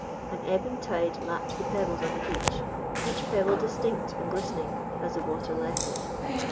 An ebbing tide lapped the pebbles on the beach, each pebble distinct and glistening as the water left it.